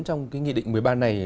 trong cái nghị định một mươi ba này